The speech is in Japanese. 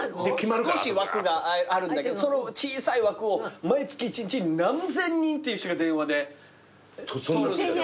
少し枠があるんだけどその小さい枠を毎月１日に何千人っていう人が電話で取るんですよ。